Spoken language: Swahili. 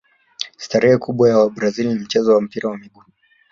starehe kubwa ya wabrazil ni mchezo wa mpira wa miguu